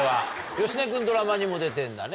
芳根君ドラマにも出てんだね。